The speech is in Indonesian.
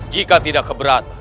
jika tidak keberatan